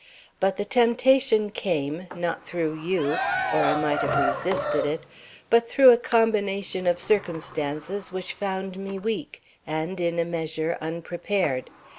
But the temptation came, not through you, or I might have resisted it, but through a combination of circumstances which found me weak, and, in a measure, unprepared.